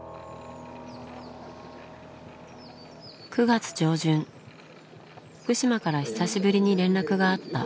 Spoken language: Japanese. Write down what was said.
９月上旬福島から久しぶりに連絡があった。